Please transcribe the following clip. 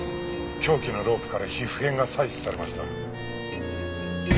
凶器のロープから皮膚片が採取されました。